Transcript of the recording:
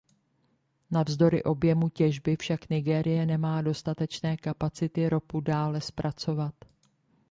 Navzdory objemu těžby však Nigérie nemá dostatečné kapacity ropu dále zpracovat.